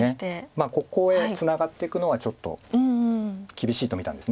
ここへツナがっていくのはちょっと厳しいと見たんです。